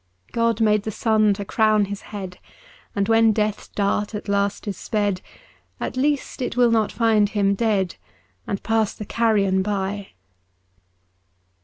God made the sun to crown his head. And when death's dart at last is sped, At least it will not find him dead, And pass the carrion by.